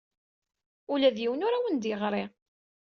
Ula d yiwen ur awen-d-yeɣri.